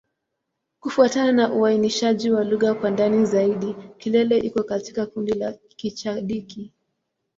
Kufuatana na uainishaji wa lugha kwa ndani zaidi, Kilele iko katika kundi la Kichadiki.